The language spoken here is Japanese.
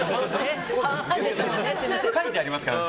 書いてありますからね。